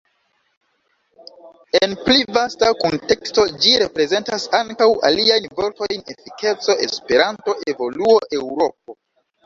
En pli vasta kunteksto ĝi reprezentas ankaŭ aliajn vortojn: Efikeco, Esperanto, Evoluo, Eŭropo.